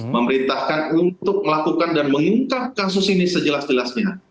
memerintahkan untuk melakukan dan mengungkap kasus ini sejelas jelasnya